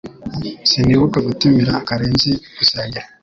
Sinibuka gutumira Karenzi gusangira